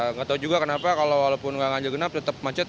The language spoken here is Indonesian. nggak tahu juga kenapa kalau walaupun nggak ganjil genap tetap macet